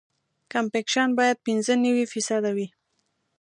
کمپکشن باید پینځه نوي فیصده وي